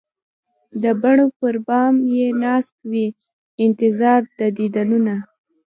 د بڼو پر بام یې ناست وي انتظار د دیدنونه